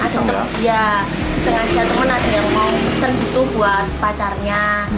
atau dia sengaja teman ada yang mau pesan gitu buat pacarnya